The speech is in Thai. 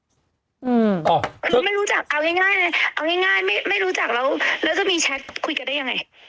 อืมอ่าคือไม่รู้จักเอาง่ายเอาง่ายไม่รู้จักแล้วแล้วก็มีแชทคุยกันได้ยังไง